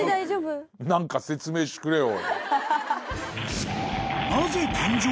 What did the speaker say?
何か説明してくれよ。